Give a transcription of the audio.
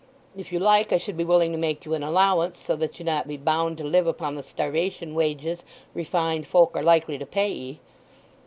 If you like I should be willing to make you an allowance, so that you not be bound to live upon the starvation wages refined folk are likely to pay 'ee."